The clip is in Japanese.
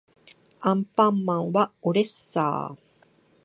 アンパンマンはおれっさー